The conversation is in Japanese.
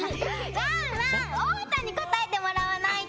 ワンワンおうちゃんにこたえてもらわないと！